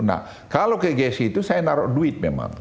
nah kalau ke gc itu saya naruh duit memang